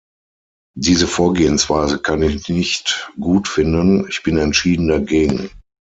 Diese Vorgehensweise kann ich nicht gut finden, ich bin entschieden dagegen.